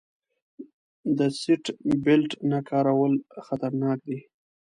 د سیټ بیلټ نه کارول خطرناک دي.